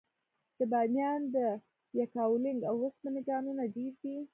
د بامیان د یکاولنګ د اوسپنې کانونه ډیر دي.